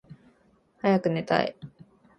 はやくねたい